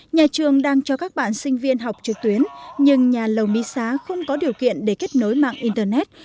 nhà trường đang cho các bạn sinh viên học trực tuyến nhưng nhà lầu mỹ xá không có điều kiện để kết nối mạng internet